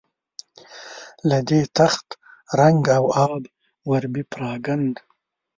له دې تخته رنګ او آب ور بپراګند.